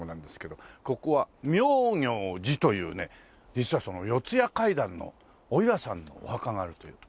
ここは妙行寺というね実は『四谷怪談』のお岩さんのお墓があるという。